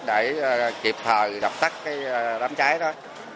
để kịp thời đập tắt đám cháy đó